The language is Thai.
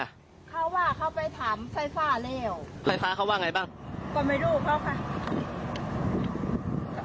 เขาว่าเขาไปถามไฟฟ้าแล้วไฟฟ้าเขาว่าไงบ้างก็ไม่รู้เขาค่ะ